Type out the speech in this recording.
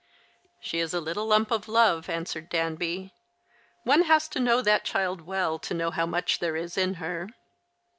115 " She is a little lump of love," answered Danby.. " One has to know that child well to know how much there is in her."